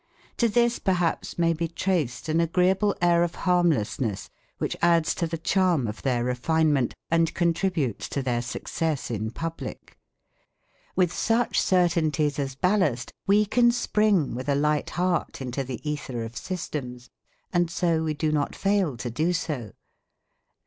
To this perhaps may be traced an agreeable air of harmlessness which adds to the charm of their refinement and contributes to their success in public. With such certainties as ballast we can spring with a light heart into the æther of systems, and so we do not fail to do so.